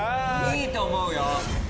いいと思うよ！